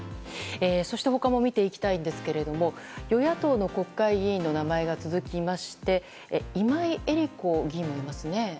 他も見ていきたいんですが与野党の国会議員の名前が続きまして今井絵理子議員もいますね。